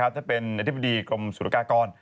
ท่านเป็นอธิบดีกรมสุรกากร